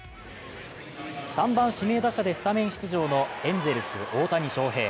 ３番・指名打者でスタメン出場のエンゼルス・大谷翔平。